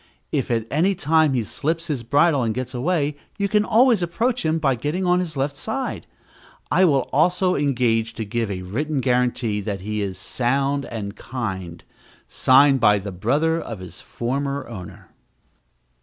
If at any time he slips his bridle and gets away, you can always approach him by getting on his left side. I will also engage to give a written guarantee that he is sound and kind, signed by the brother of his former owner.